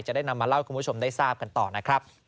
จะได้นำมาเล่าให้คุณผู้ชมได้ทราบกันต่อนะครับ